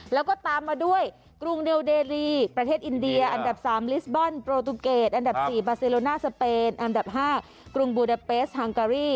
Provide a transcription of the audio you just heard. แล้วก็ตามมาด้วยกรุงเดลเดรีประเทศอินเดียอันดับ๓ลิสบอลโปรตูเกตอันดับ๔บาซิโลน่าสเปนอันดับ๕กรุงบูดาเปสฮังการี